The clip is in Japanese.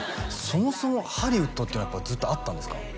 そもそもハリウッドっていうのはずっとあったんですか？